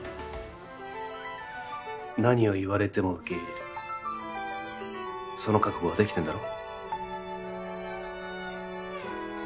何を言われても受け入れるその覚悟はできてんだろ？